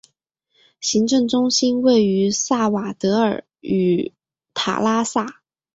行政中心位于萨瓦德尔与塔拉萨。